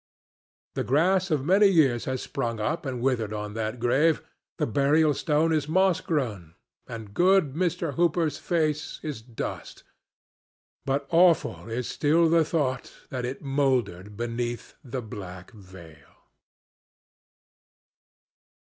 The grass of many years has sprung up and withered on that grave, the burial stone is moss grown, and good Mr. Hooper's face is dust; but awful is still the thought that it mouldered beneath the black veil.